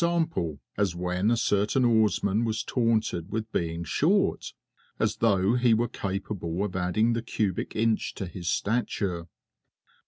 _, as when a certain oarman was taunted with being short as though he were capable of adding the cubic inch to his stature!